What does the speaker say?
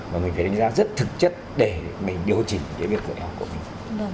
và mình phải đánh giá rất thực chất để mình điều chỉnh cái việc dạy học của mình